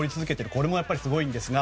これもすごいんですが